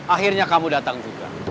akhirnya kamu datang juga